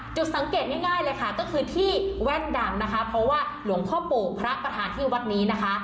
จุดสังเกตง่ายเลยค่ะก็คือที่แว่นดำนะคะเพราะว่าหลวงพ่อปู่พระประธานที่วัดนี้นะคะ